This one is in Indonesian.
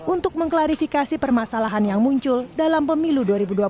untuk mengklarifikasi permasalahan yang muncul dalam pemilu dua ribu dua puluh